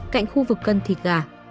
cạnh khu vực cân thịt gà